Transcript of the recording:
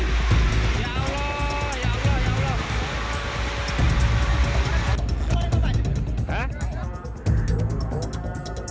ya allah ya allah ya allah